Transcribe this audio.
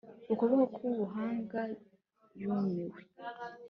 Ukuboko ku gahanga yumiwe